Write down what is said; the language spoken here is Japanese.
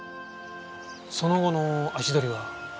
その後の足取りは？